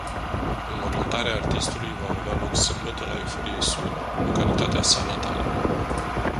Înmormântarea artistului va avea loc sâmbătă, la Eforie Sud, localitatea sa natală.